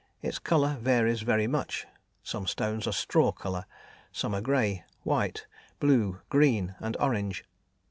Its colour varies very much some stones are straw colour, some are grey, white, blue, green, and orange.